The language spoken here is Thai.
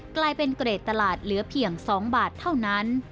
กลายเป็นเกรดตลาดเหลือเพียง๒บาทเท่านั้น